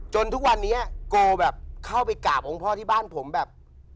ทุกวันนี้โกแบบเข้าไปกราบองค์พ่อที่บ้านผมแบบ